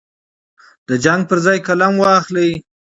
د جنګ پر ځای قلم واخلئ.